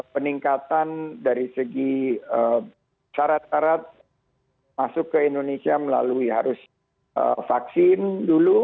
peningkatan dari segi syarat syarat masuk ke indonesia melalui harus vaksin dulu